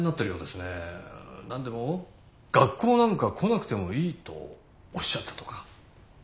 何でも「学校なんか来なくてもいい」とおっしゃったとか。